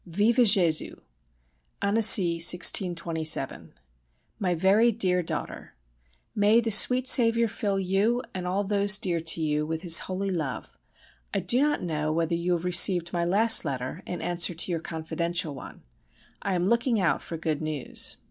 _ Vive [+] Jésus! ANNECY, 1627. MY VERY DEAR DAUGHTER, May the sweet Saviour fill you and all those dear to you with His holy love. I do not know whether you have received my last letter in answer to your confidential one. I am looking out for good news.